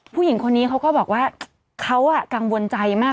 ผู้หญิงคนนี้เขาก็บอกว่าเขากังวลใจมาก